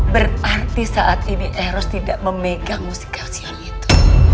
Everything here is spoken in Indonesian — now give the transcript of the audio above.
berarti saat ini eros tidak memegang mustika xion itu